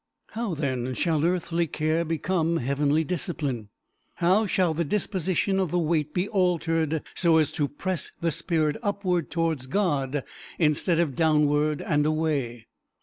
How, then, shall earthly care become heavenly discipline? How shall the disposition of the weight be altered so as to press the spirit upward towards God, instead of downward and away?